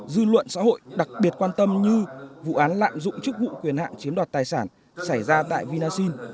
dư luận xã hội đặc biệt quan tâm như vụ án lạm dụng chức vụ quyền hạn chiếm đoạt tài sản xảy ra tại vinasin